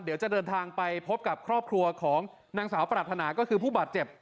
เดี๋ยวจะเดินทางไปพบกับครอบครัวของนางสาวปรารถนาก็คือผู้บาดเจ็บ